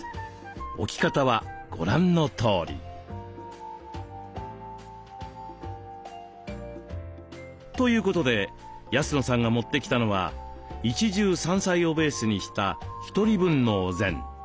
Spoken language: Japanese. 置き方はご覧のとおり。ということで安野さんが持ってきたのは一汁三菜をベースにした１人分のお膳。